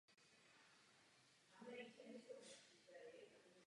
Tímto problémem se žádné právní předpisy nezabývaly.